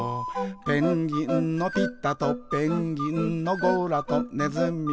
「ペンギンのピタとペンギンのゴラとねずみのスーと」